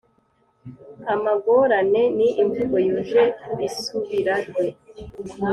amagorane ni imvugo yuje isubirajwi